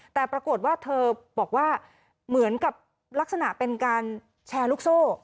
แต่ปรากฏว่าเธอบอกว่าเหมือนกับลักษณะเป็นการแชร์ลูกโซ่